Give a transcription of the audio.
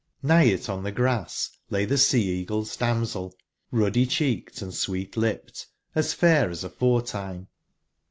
]Sigb it on tbe grass lay tbe Sea/eagle's damsel, ruddy/cbeeked and sweet/lipped, as fair as aforetime.